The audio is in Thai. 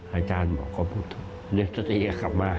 อาจารย์หมอก็พูดถึงเร็วสักทีก็กลับมา